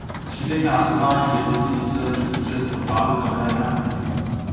Příběh nás uvádí jedno tisíciletí kupředu od pádu Kamenné brány.